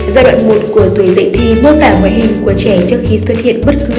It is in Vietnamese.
giai đoạn một của tuổi dậy thì mô tả ngoài hình của trẻ trước khi xuất hiện bức tượng